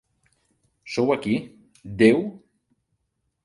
Sou aquí, déu?